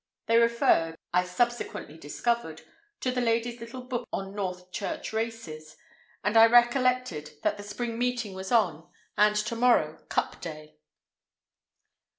They referred, I subsequently discovered, to the lady's little book on Northchurch races, and I recollected that the Spring Meeting was on, and to morrow "Cup Day."